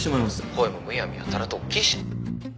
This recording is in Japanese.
声もむやみやたらと大きいし。